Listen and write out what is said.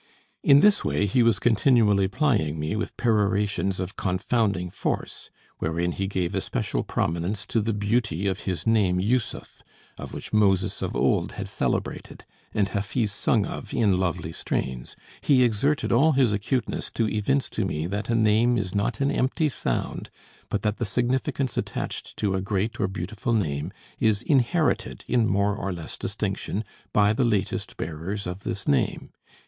In this way he was continually plying me with perorations of confounding force, wherein he gave especial prominence to the beauty of his name Jussuf, which Moses of old had celebrated, and Hafiz sung of in lovely strains; he exerted all his acuteness to evince to me that a name is not an empty sound, but that the significance attached to a great or beautiful name is inherited in more or less distinction by the latest bearers of this name.